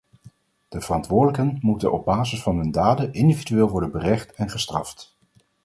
De verantwoordelijken moeten op basis van hun daden individueel worden berecht en gestraft.